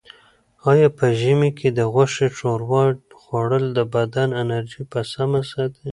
آیا په ژمي کې د غوښې ښوروا خوړل د بدن انرژي په سمه ساتي؟